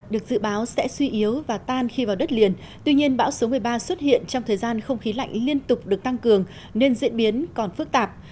được dự báo sẽ suy yếu và tan khi vào đất liền tuy nhiên bão số một mươi ba xuất hiện trong thời gian không khí lạnh liên tục được tăng cường nên diễn biến còn phức tạp